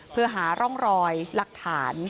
เพื่อหาร่องรอยหลักฐาน